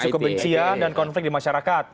isu kebencian dan konflik di masyarakat